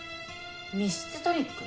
密室トリック？